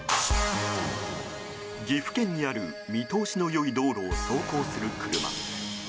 岐阜県にある見通しの良い道路を走行する車。